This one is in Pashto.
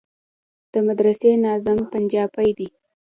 د مدرسې ناظم پنجابى دى.